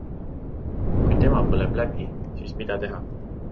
Kui tema põleb läbi, siis mida teha?